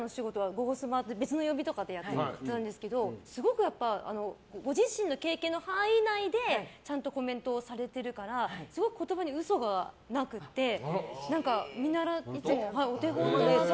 「ゴゴスマ」とか別の曜日でやってたんですけどすごく、ご自身の経験の範囲内でちゃんとコメントをされてるからすごい言葉に嘘がなくていつもお手本にして。